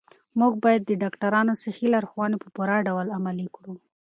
موږ باید د ډاکترانو صحي لارښوونې په پوره ډول عملي کړو.